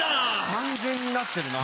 完全になってるな。